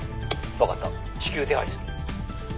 「わかった至急手配する」